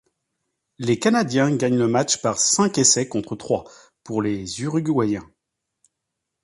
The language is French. Les Canadiens gagnent le match par cinq essais contre trois pour les Uruguayens.